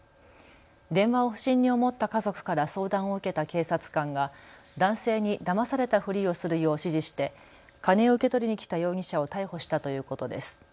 電話を不審に思った家族から相談を受けた警察官が男性にだまされたふりをするよう指示して金を受け取りに来た容疑者を逮捕したということです。